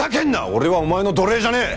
俺はお前の奴隷じゃねえ！